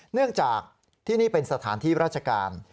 เนื่องจากที่นี่เป็นสถานที่ราชการ